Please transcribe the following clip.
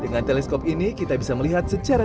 dengan teleskop ini kita bisa melihat kubah kubah